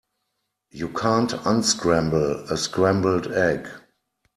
You can't unscramble a scrambled egg.